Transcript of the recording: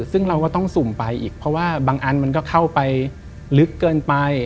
ซึ่งเราก็ต้องสุ่มไปอีกเพราะว่าบางอันมันก็เข้าไปลึกเกินไป